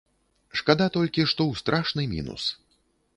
Шкада толькі, што ў страшны мінус.